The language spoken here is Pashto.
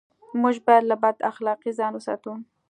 موږ بايد له بد اخلاقۍ ځان و ساتو.